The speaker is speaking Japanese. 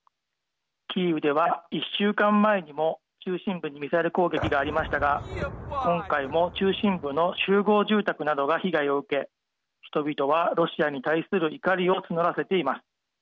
キーウでは１週間前にも中心部にミサイル攻撃がありましたが今回も中心部の集合住宅などが被害を受け人々はロシアに対する怒りを募らせています。